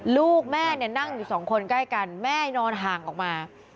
ลูกแม่เนี่ยนั่งอยู่สองคนใกล้กันแม่นอนห่างออกมา